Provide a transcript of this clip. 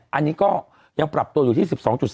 อันนี้ก็ยังปรับตัวอยู่ที่๑๒๐